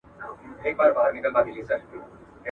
لاره ورکه سوه له سپي او له څښتنه.